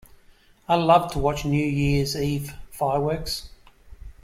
I love to watch New Year's Eve fireworks.